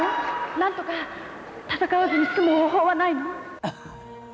なんとか戦わずに済む方法はないの？